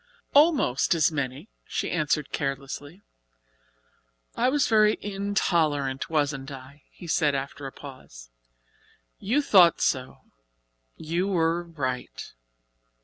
"Almost as many," she answered carelessly. "I was very intolerant, wasn't I?" he said after a pause. "You thought so you were right.